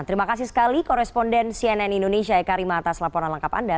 terima kasih sekali koresponden cnn indonesia eka rima atas laporan lengkap anda